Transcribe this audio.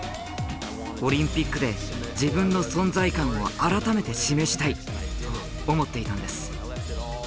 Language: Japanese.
オリンピックで自分の存在感を改めて示したいと思っていたんです。